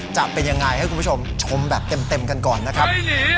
จะเป็นยังไงให้คุณผู้ชมชมแบบเต็มกันก่อนนะครับ